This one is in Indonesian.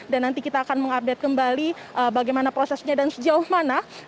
dan nanti kita akan mengupdate kembali bagaimana prosesnya dan sejauh mana